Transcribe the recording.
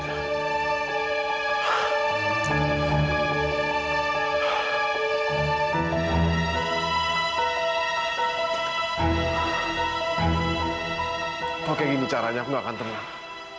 kalau kayak gini caranya aku gak akan ternyata